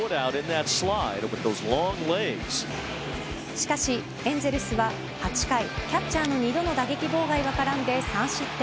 しかし、エンゼルスは８回キャッチャーの２度の打撃妨害が絡んで３失点。